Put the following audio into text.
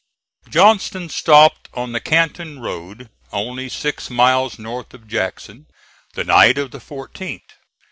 Johnston stopped on the Canton road only six miles north of Jackson, the night of the 14th.